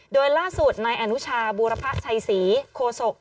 โดยล่าสุดนายอนุชาบูรพะชัยศรีโคศก